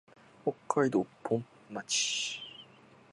北海道蘂取村